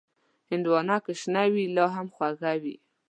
هندوانه که شنه وي، لا هم خوږه وي.